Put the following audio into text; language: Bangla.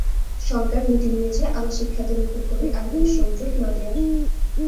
সরকার নীতি নিয়েছে আবাসিক খাতে নতুন করে আর গ্যাস সংযোগ না দেওয়ার।